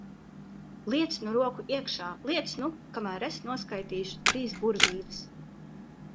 Liec nu roku iekšā, liec nu! Kamēr es noskaitīšu trīs burvības.